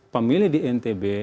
pemilih di ntb